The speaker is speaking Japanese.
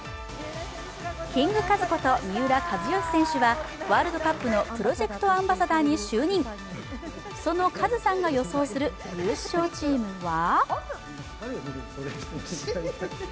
キングカズこと、三浦知良選手はワールドカップのプロジェクト・アンバサダーに就任そのカズさんが予想する優勝チームは？